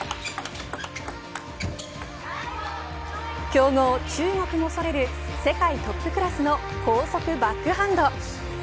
強豪、中国も恐れる世界トップクラスの高速バックハンド。